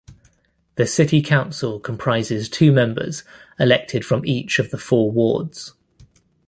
The city council comprises two members elected from each of the four wards.